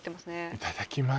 いただきます